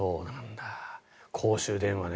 公衆電話ね。